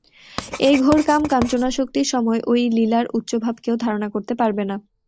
এই ঘোর কাম-কাঞ্চনাসক্তির সময় ঐ লীলার উচ্চ ভাব কেউ ধারণা করতে পারবে না।